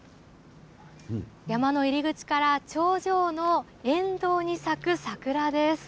山の入り口から、頂上の沿道に咲く桜です。